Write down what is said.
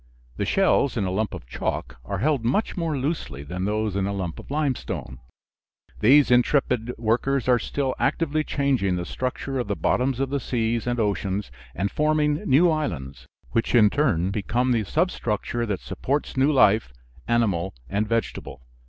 The shells in a lump of chalk are held much more loosely than those in a lump of limestone. These intrepid workers are still actively changing the structure of the bottoms of seas and oceans, and forming new islands, which in turn become the substructure that supports new life, animal and vegetable.